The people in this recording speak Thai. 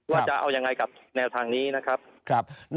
ว่าจะเอายังไงกับแนวทางนี้นะครับ